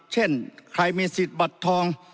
เช่นใครมีสิทธิ์บัตรทอง